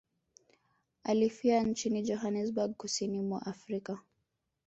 Alifia nchini Johannesburg kusini mwa Afrika